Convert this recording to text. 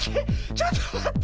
ちょっとまって。